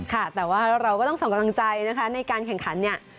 ค่ะแต่ว่าเราก็ต้องส่งกำลังใจนะคะในการแข่งขันเนี่ย